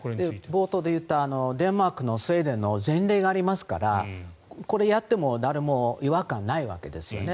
冒頭で言ったデンマークとスウェーデンの前例がありますからこれをやっても誰も違和感ないわけですね。